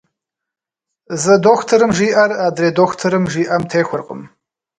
Зы дохутырым жиӏэр, адрей дохутырым жиӏэм техуэркъым.